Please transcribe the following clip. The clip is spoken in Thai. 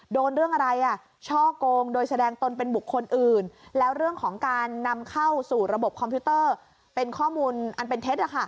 โดนเรื่องอะไรช่อกงโดยแสดงตนเป็นบุคคลอื่นแล้วเรื่องของการนำเข้าสู่ระบบคอมพิวเตอร์เป็นข้อมูลอันเป็นเท็จ